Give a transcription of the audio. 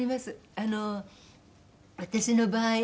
あの私の場合